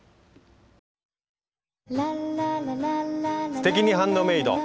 「すてきにハンドメイド」